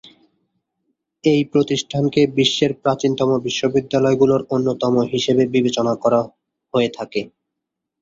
এই প্রতিষ্ঠানটিকে বিশ্বের প্রাচীনতম বিশ্ববিদ্যালয়গুলোর অন্যতম হিসেবে বিবেচনা করা হয়ে থাকে।